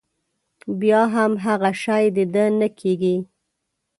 بيا هم هغه شی د ده نه کېږي.